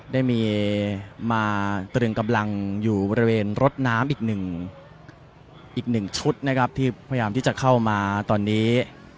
ได้มีมาตรึงกำลังอยู่บริเวณรถน้ำอีกหนึ่งอีกหนึ่งชุดนะครับที่พยายามที่จะเข้ามาตอนนี้